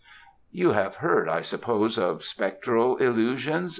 "You have heard, I suppose of spectral illusions?"